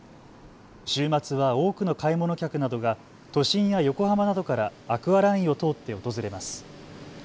週末は多くの買い物客などが都心や横浜などからアクアラインを通って訪れます。